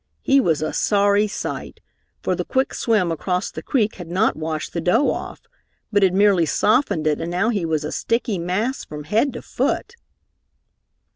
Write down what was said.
He was a sorry sight, for the quick swim across the creek had not washed the dough off, but had merely softened it and now he was a sticky mass from head to foot.